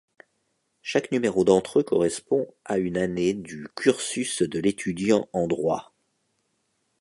Chaque numéro d'entre eux correspond à une année du cursus de l'étudiant en droit.